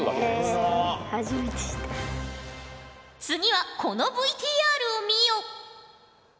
次はこのＶＴＲを見よ。